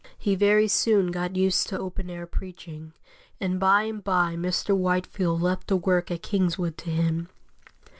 He very soon got used to open air preaching, and by and by Mr. Whitefield left the work at Kingswood to him.